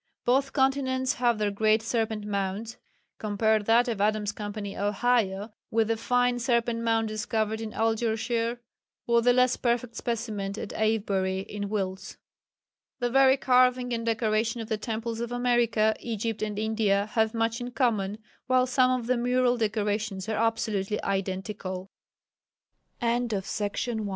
Both continents have their great serpent mounds; compare that of Adams Co., Ohio, with the fine serpent mound discovered in Argyleshire, or the less perfect specimen at Avebury in Wilts. The very carving and decoration of the temples of America, Egypt and India have much in common, while some of the mural decorations are absolutely identical. Fifth. It only remains now to